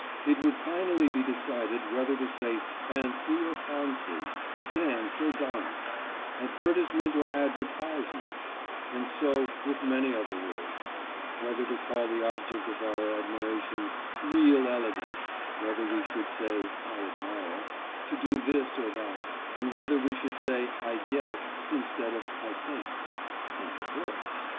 It would finally be decided whether to say fancy or fahncy dance or dahnce advertisement or advertysement, and so with many other words; whether to call the object of our admiration "real elegant" whether we should say "I admire" to do this or that, and whether we should say "I guess" instead of "I think." And the voice!